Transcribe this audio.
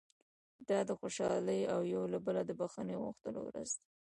دا د خوشالۍ او یو له بله د بښنې غوښتلو ورځ ده.